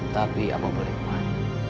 tapi apa boleh kuat